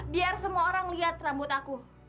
biar semua orang lihat rambut aku